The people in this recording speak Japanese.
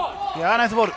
ナイスボール！